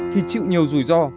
thì chịu nhiều rủi ro